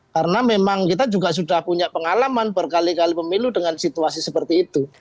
karena memang kita juga sudah punya pengalaman berkali kali pemilu dengan situasi seperti itu